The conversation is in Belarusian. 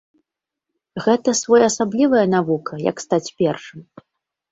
Гэта своеасаблівая навука, як стаць першым.